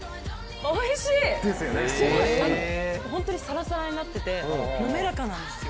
ホントにサラサラになっててなめらかなんですよ。